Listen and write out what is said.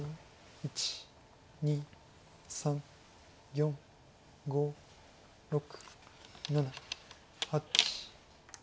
１２３４５６７８。